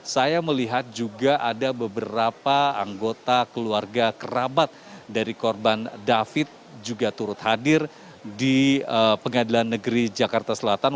saya melihat juga ada beberapa anggota keluarga kerabat dari korban david juga turut hadir di pengadilan negeri jakarta selatan